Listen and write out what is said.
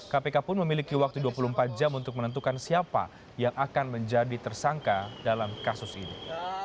kpk pun memiliki waktu dua puluh empat jam untuk menentukan siapa yang akan menjadi tersangka dalam kasus ini